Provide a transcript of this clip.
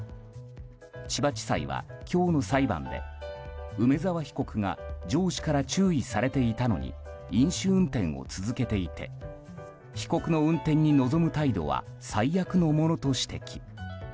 千葉地裁は今日の裁判で梅沢被告が上司から注意されていたのに飲酒運転を続けていて被告の運転に臨む態度は最悪のものと指摘。